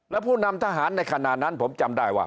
และผู้นำทหารในขณะนั้นผมจำได้ว่า